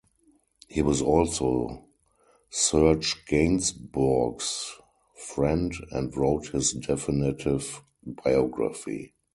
He was also Serge Gainsbourg's friend and wrote his definitive biography.